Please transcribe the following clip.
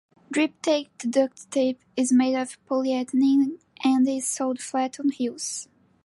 Drip tape duct tape is made of polyethylene and is sold flat on reels.